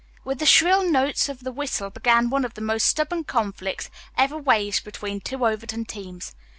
With the shrill notes of the whistle began one of the most stubborn conflicts ever waged between two Overton teams.